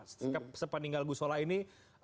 setelah sepeninggal gusola ini